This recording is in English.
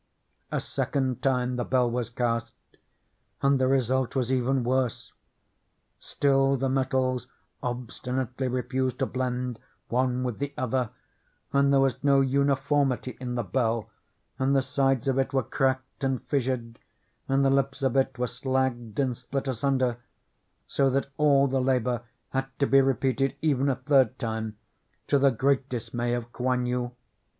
A second time the bell was cast, and the result was even worse. Still the metals obstinately refused to blend one with the other; and there was no uniformity in the bell, and the sides of it were cracked and fissured, and the lips of it were slagged and split asunder ; so that all the labor had to be repeated even a third time, to the great dismay of Kouan Yu.